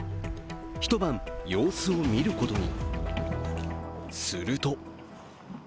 一晩、様子を見ることに。